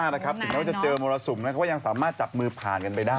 เราจะเจอโมลสุมว่ายังสามารถจับมือผ่านกันไปได้